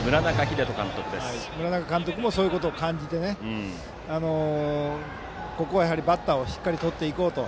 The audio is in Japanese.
村中監督もそれを感じてここはバッターをしっかり打ち取っていこうと。